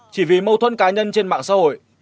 chỉ vì mâu thuẫn cá nhân trên mạng xã hội